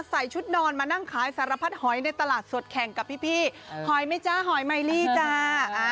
ใส่ชุดนอนมานั่งขายสารพัดหอยในตลาดสดแข่งกับพี่หอยไหมจ๊ะหอยไมลี่จ้า